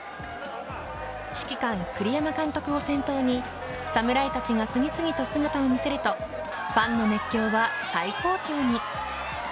指揮官、栗山監督を先頭に侍たちが次々と姿を見せるとファンの熱狂は最高潮に。